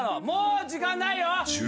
もう時間ないよ！